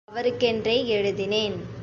அதை அவருக்கென்றே எழுதினேன்.